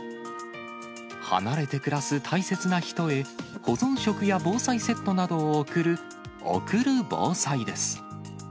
離れて暮らす大切な人へ保存食や防災セットなどを贈る、おくる防災です。